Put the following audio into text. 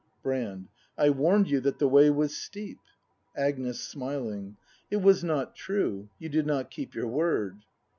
Brand. I warn'd you that the way was steep. Agnes. [Smiling.] It was not true; you did not keep Your word.